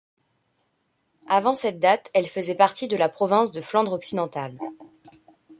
Avant cette date, elle faisait partie de la province de Flandre-Occidentale.